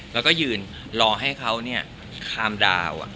แล้วก็ยืนรอให้เขาเนี่ยคามดาวอ่ะ